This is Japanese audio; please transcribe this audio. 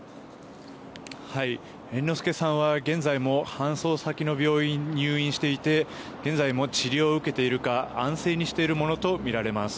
猿之助さんは現在も搬送先の病院に入院していて現在も治療を受けているか安静にしているものとみられます。